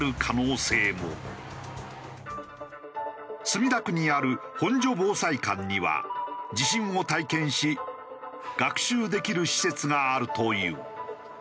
墨田区にある本所防災館には地震を体験し学習できる施設があるという。